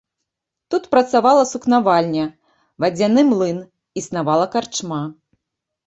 Тут працавала сукнавальня, вадзяны млын, існавала карчма.